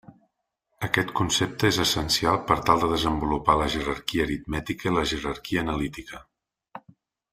Aquest concepte és essencial per tal de desenvolupar la jerarquia aritmètica i la jerarquia analítica.